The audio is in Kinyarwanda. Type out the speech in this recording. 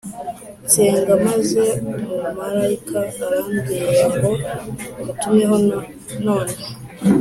nsenga maze umumarayika arambwira ngo ngutumeho None